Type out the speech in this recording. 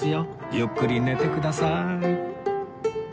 ゆっくり寝てくださーい